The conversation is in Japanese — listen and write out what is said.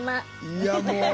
いやもう。